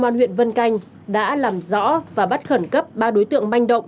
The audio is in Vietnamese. ba giờ sáng ngày hai mươi tháng sáu công an huyện vân canh đã làm rõ và bắt khẩn cấp ba đối tượng manh động